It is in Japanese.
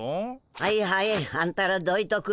はいはいあんたらどいとくれ。